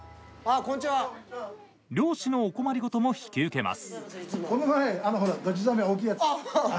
漁師のお困りごとも引き受けます。